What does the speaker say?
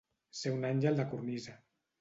Ser un àngel de cornisa.